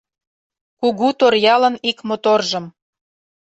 Кугу Торъялын ик моторжым.